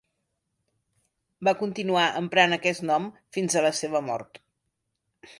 Va continuar emprant aquest nom fins a la seva mort.